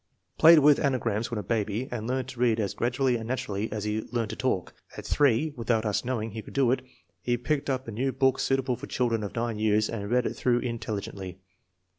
" Played with anagrams when a baby and learned to read as gradually and naturally as he learned to talk. At three, without us knowing he could do it, he picked up a new book suitable for children of nine years and read it through intelligently.